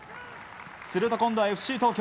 すると、今度はＦＣ東京。